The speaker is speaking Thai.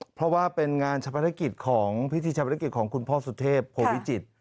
เพราะว่าเป็นพิธีชะพนักกิจของคุณพ่อสุทธิบโผวิจิต